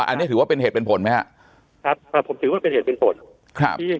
อันนี้ถือว่าเป็นเหตุเป็นผลไหมฮะครับอ่าผมถือว่าเป็นเหตุเป็นผลครับที่